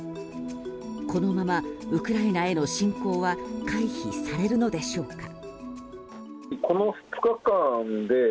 このまま、ウクライナへの侵攻は回避されるのでしょうか。